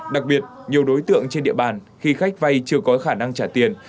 đặc biệt nhiều đối tượng trên địa bàn khi khách vay chưa có khả năng trả tiền